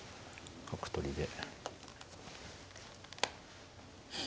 角取りで。